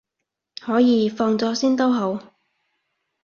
可以，放咗先都好